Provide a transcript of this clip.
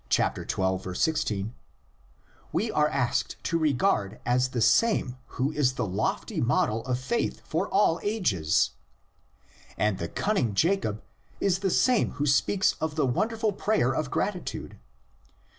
16), we are asked to regard as the same who is the lofty model of faith for all ages! And the cunning Jacob is the same who speaks the wonderful prayer of gratitude!